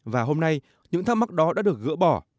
và hôm nay những thắc mắc đó đã được gỡ bỏ